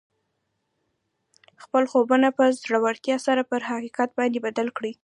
خپل خوبونه په زړورتیا سره پر حقیقت باندې بدل کړئ